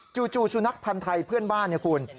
จู่สุนัขพันธ์ไทยเพื่อนบ้านเนี่ยคุณ